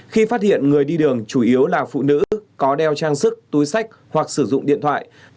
khi phát hiện người đi đường chủ yếu là phụ nữ có đeo trang sức túi sách hoặc sử dụng điện thoại